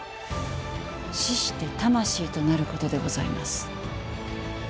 死して魂となることでございます。